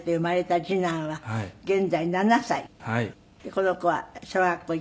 この子は小学校１年生。